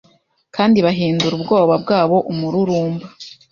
Kandi bahindura ubwoba bwabo umururumba